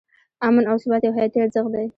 امن او ثبات یو حیاتي ارزښت دی.